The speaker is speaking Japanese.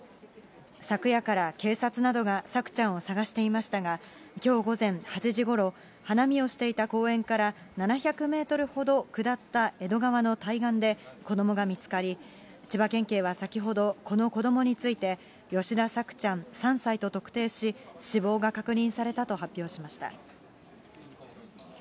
昨夜から警察などが朔ちゃんを捜していましたが、きょう午前８時ごろ、花見をしていた公園から７００メートルほど下った江戸川の対岸で、子どもが見つかり、千葉県警は先ほど、この子どもについて、吉田朔ちゃん３歳と特定し、死亡が確認されたと発表しました。